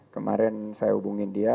kemarin saya hubungin dia